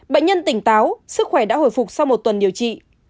bệnh nhân tỉnh táo sức khỏe đã hồi phục sau một tuần điều trị